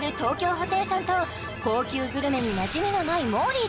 ホテイソンと高級グルメになじみのないもーりー